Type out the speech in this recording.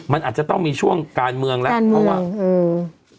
มันอาจจะต้องมีช่วงการเมืองละการเมืองอืม